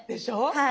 はい。